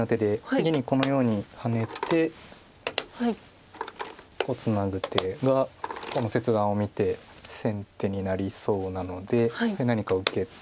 次にこのようにハネてツナぐ手がこの切断を見て先手になりそうなので何か受けて。